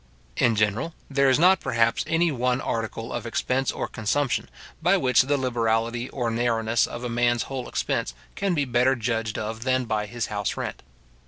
In general, there is not perhaps, any one article of expense or consumption by which the liberality or narrowness of a man's whole expense can be better judged of than by his house rent.